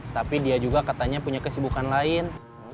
tapi dia juga katanya punya kesibukan lain